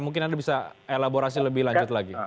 mungkin anda bisa elaborasi lebih lanjut lagi